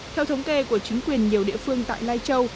theo thống kê của chính quyền nhiều địa phương tại lai châu